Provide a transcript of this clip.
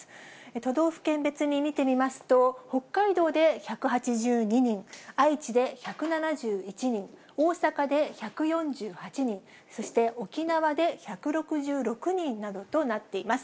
都道府県別に見てみますと、北海道で１８２人、愛知で１７１人、大阪で１４８人、そして、沖縄で１６６人などとなっています。